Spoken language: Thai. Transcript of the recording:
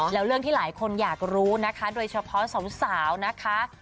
แล้วเรื่องที่หลายคนอยากรู้นะคะโดยเฉพาะสาวนะคะ